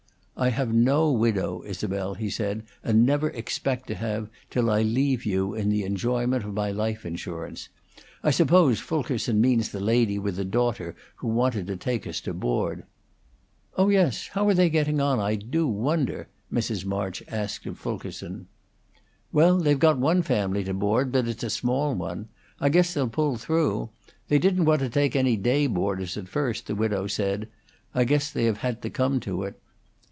"I have no widow, Isabel," he said, "and never expect to have, till I leave you in the enjoyment of my life insurance. I suppose Fulkerson means the lady with the daughter who wanted to take us to board." "Oh yes. How are they getting on, I do wonder?" Mrs. March asked of Fulkerson. "Well, they've got one family to board; but it's a small one. I guess they'll pull through. They didn't want to take any day boarders at first, the widow said; I guess they have had to come to it."